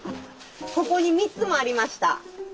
ここに３つもありました。